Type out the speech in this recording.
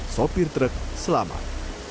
sopir trek selamat